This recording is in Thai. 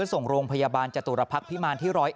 ส่งโรงพยาบาลจตุรพักษ์พิมารที่๑๐๑